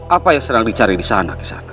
apa yang sedang dicari di sana kisana